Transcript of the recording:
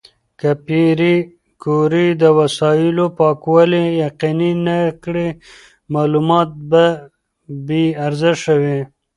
که پېیر کوري د وسایلو پاکوالي یقیني نه کړي، معلومات به بې ارزښته وي.